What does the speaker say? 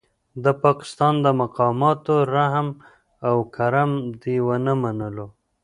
د پاکستان د مقاماتو رحم او کرم دې ونه منلو.